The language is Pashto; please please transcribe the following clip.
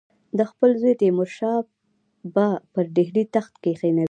ده خپل زوی تیمورشاه به پر ډهلي تخت کښېنوي.